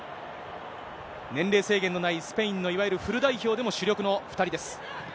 年齢制限のないスペインのいわゆるフル代表でも主力の２人です。